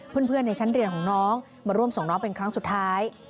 เพื่อนในชั้นเรียนของน้องมาร่วมส่งน้องเป็นครั้งสุดท้าย